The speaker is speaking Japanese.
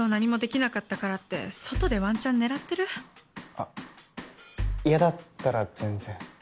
あっ嫌だったら全然。